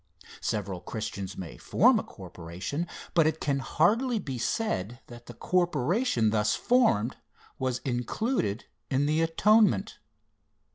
Several Christians may form a corporation, but it can hardly be said that the corporation thus formed was included in the atonement.